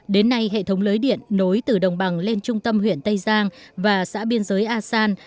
đến nay hệ thống lưới điện nối từ đồng bằng lên trung tâm huyện tây giang và xã biên giới asan